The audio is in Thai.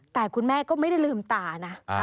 แต่คุณแม่ก็ไม่ได้ลืมตานะ